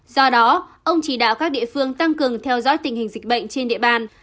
do đó ông chỉ đạo các địa phương tăng cường theo dõi tình hình dịch bệnh trên địa bàn